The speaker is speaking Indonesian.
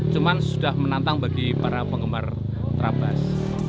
cuman sudah menantang bagi para penggemar trabas